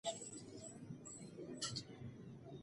ځینې آسیایي هېوادونه هم ورته ستونزې لري.